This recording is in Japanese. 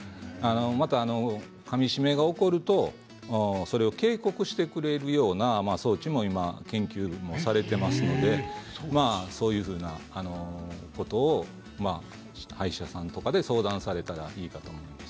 また、かみしめが起こるとそれを警告してくれるような装置も今、研究されていますのでそういうふうなことを歯医者さんとかで相談されたらいいかと思います。